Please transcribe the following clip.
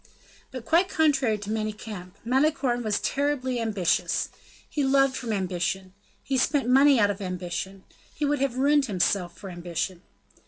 But, quite contrary to Manicamp, Malicorne was terribly ambitious. He loved from ambition; he spent money out of ambition; and he would have ruined himself for ambition.